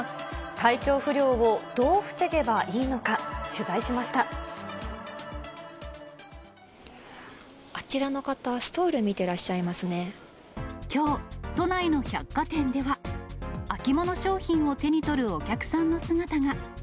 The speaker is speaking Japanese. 体調不良をどう防げばいいのあちらの方、ストール見てらきょう、都内の百貨店では、秋物商品を手に取るお客さんの姿が。